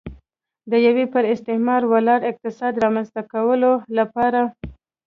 د یوه پر استثمار ولاړ اقتصاد رامنځته کولو لپاره.